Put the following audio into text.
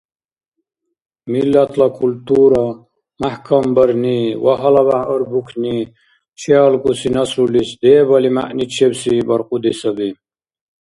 Миллатла культура мяхӀкамбарни ва гьалабяхӀ арбукни чеалкӀуси наслулис дебали мягӀничебси баркьуди саби.